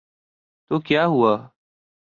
تو کیا ہوا۔